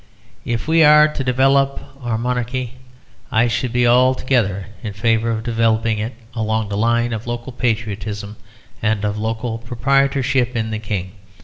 If we are to develop our Monarchy, I should be altogether in favour of developing it along the line of local patriotism and of local proprietorship in the King.